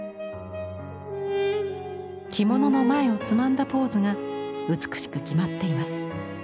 着物の前をつまんだポーズが美しく決まっています。